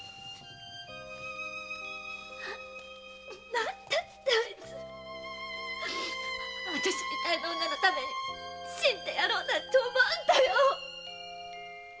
何だってあいつあたしみたいな女のために死んでやろうなんて思うんだよ。